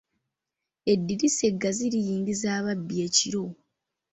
Eddirisa eggazi liyingiza ababbi ekiro.